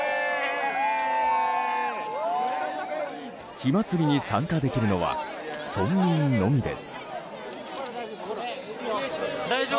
火祭りに参加できるのは村民のみです。